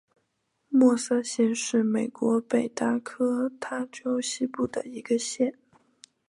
默瑟县是美国北达科他州西部的一个县。